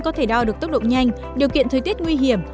có thể đo được tốc độ nhanh điều kiện thời tiết nguy hiểm